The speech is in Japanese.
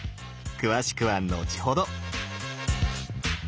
詳しくは後ほど！